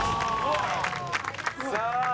さあ。